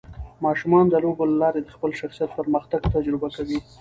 ماشومان د لوبو له لارې د خپل شخصیت پرمختګ تجربه کوي.